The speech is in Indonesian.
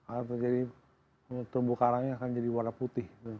akan terjadi terumbu karangnya akan jadi warna putih